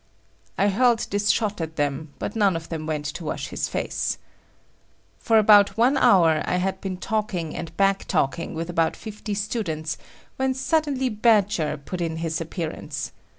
I hurled this shot at them, but none of them went to wash his face. For about one hour, I had been talking and back talking with about fifty students when suddenly Badger put in his appearance.